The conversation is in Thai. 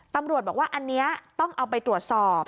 ตำรวจบอกว่าอันนี้ต้องเอาไปตรวจสอบ